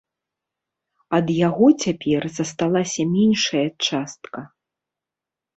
Ад яго цяпер засталася меншая частка.